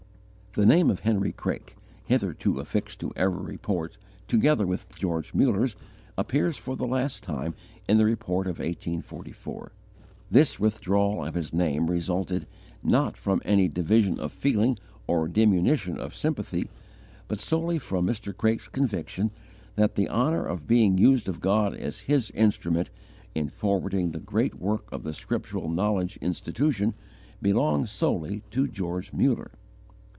The name of Henry Craik, hitherto affixed to every report together with George Muller's, appears for the last time in the Report of 1844. This withdrawal of his name resulted, not from any division of feeling or diminution of sympathy, but solely from Mr. Craik's conviction that the honour of being used of God as His instrument in forwarding the great work of the Scriptural Knowledge Institution belonged solely to George Muller.